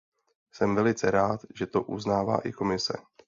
Jsem velice rád, že to uznává i Komise.